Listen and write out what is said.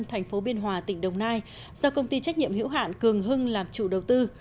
thành phố biên hòa tỉnh đồng nai do công ty trách nhiệm hữu hạn cường hưng làm chủ đầu tư